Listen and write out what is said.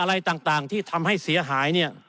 ตัวต่างที่ทำให้เสียหาย